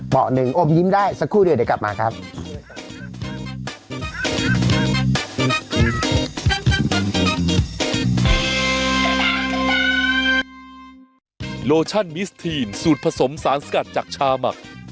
หนึ่งอมยิ้มได้สักครู่เดียวเดี๋ยวกลับมาครับ